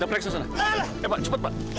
dapet reksa sana eh pak cepet pak